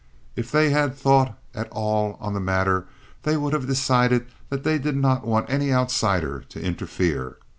If they had thought at all on the matter they would have decided that they did not want any outsider to interfere.